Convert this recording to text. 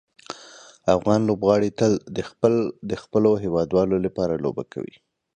افغان لوبغاړي تل د خپلو هیوادوالو لپاره لوبه کوي.